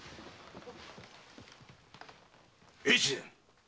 越前！